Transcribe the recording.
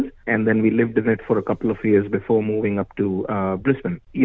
dan kami tinggal di sana beberapa tahun sebelum berpindah ke brisbane